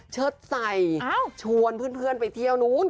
เชิดใส่ชวนเพื่อนไปเที่ยวนู้น